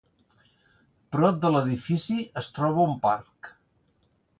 Prop de l'edifici es troba un parc.